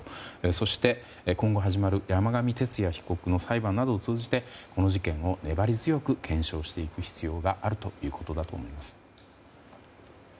そして今後始まる山上徹也被告の裁判などを通じてこの事件を粘り強く検証していく必要があるということだと思います。